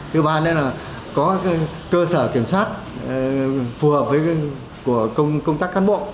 thứ ba nữa là có cơ sở kiểm soát phù hợp với công tác cán bộ